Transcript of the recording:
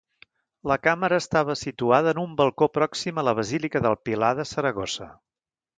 La càmera estava situada en un balcó pròxim a la Basílica del Pilar de Saragossa.